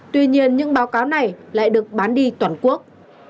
tuy nhiên những báo cáo này lại được bán đi toàn quốc